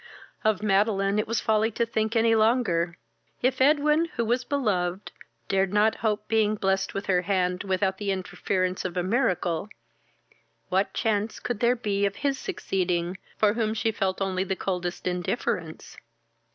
Of Madeline it was folly to think any longer. If Edwin, who was beloved, dared not hope being blest with her hand, without the interference of a miracle, what chance could there be of his succeeding, for whom she felt only the coldest indifference?